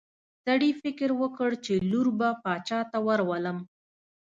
سړي فکر وکړ چې لور به باچا ته ورولم.